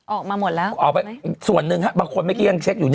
ออกมาหมดแล้วใช่ไหมส่วนหนึ่งบางคนไม่เกลี้ยงเช็คอยู่